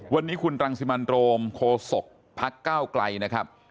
วันนี้คุณรังสิมันโรมโคศกพักก้าวไกลนะครับ